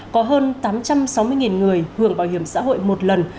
có hơn tám trăm sáu mươi người hưởng bảo hiểm xã hội một lần